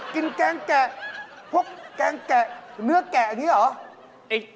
กินแกงแก่พวกแกงแก่เนื้อแก่อันเนี่ยเหรอ